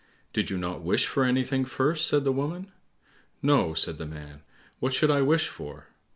"Did you not wish for anything first?" said the woman. "No," said the man; "what should I wish for?"